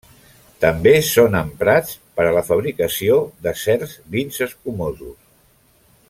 També són emprats per a la fabricació de certs vins escumosos.